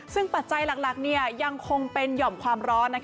ซึ่งปัจจัยหลักยังคงเป็นหย่อมความร้อน